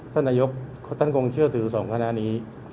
ท่านนายกท่านคงเชื่อถือสองคณะนี้